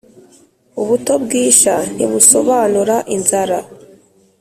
Ubuto bw’isha ntibusobanura inzara.